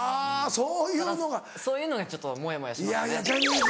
そういうのがちょっとモヤモヤしますね。